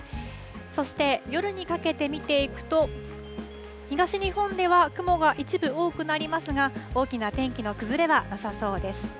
そして、夜にかけて見ていくと、東日本では雲が一部多くなりますが、大きな天気の崩れはなさそうです。